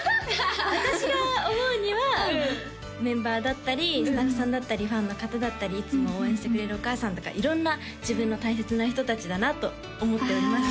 私が思うにはうんメンバーだったりスタッフさんだったりファンの方だったりいつも応援してくれるお母さんとか色んな自分の大切な人達だなと思っております